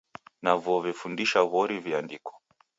Na vuo vefundisha w'ori viandiko.